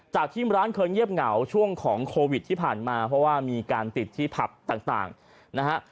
ที่ร้านเคยเงียบเหงาช่วงของโควิดที่ผ่านมาเพราะว่ามีการติดที่ผับต่างนะฮะ